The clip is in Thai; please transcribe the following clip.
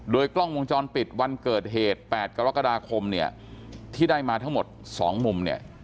โดยกล้องวงจรปิดวันเกิดเหตุ๘กรกฎาคมเนี่ยที่ได้มาทั้งหมด๒มุมเนี่ย